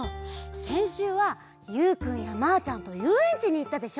せんしゅうはゆうくんやまあちゃんとゆうえんちにいったでしょ。